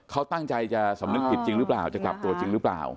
เขาตั้งใจจะสำนึกผิดจริงหรือเปล่าจะกลับตัวจริงหรือเปล่า